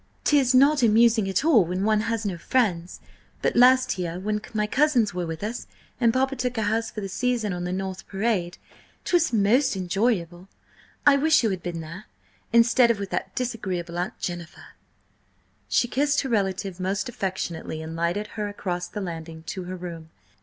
"'Tis not amusing at all when one has no friends; but last year, when my cousins were with us and papa took a house for the season on the North Parade, 'twas most enjoyable. I wish you had been there, instead of with that disagreeable Aunt Jennifer!" She kissed her relative most affectionately and lighted her across the landing to her room.